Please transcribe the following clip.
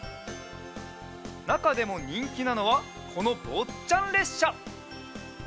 なかでもにんきなのはこのぼっちゃんれっしゃ！